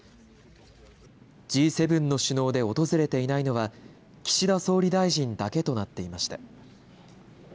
Ｇ７の首脳で訪れていないのは岸田総理大臣だけとなっていました。